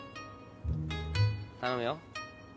頼むよ。